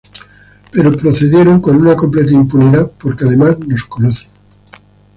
Pero procedieron con una completa impunidad, porque además nos conocen.